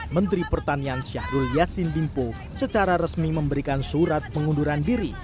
menteri pertanian syahrul yassin limpo secara resmi memberikan surat pengunduran diri